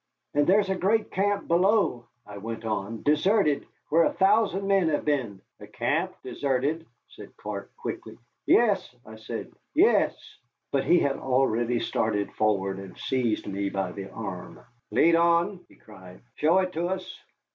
"And there's a great camp below," I went on, "deserted, where a thousand men have been." "A camp deserted?" said Clark, quickly. "Yes," I said, "yes." But he had already started forward and seized me by the arm. "Lead on," he cried, "show it to us."